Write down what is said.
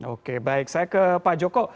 oke baik saya ke pak joko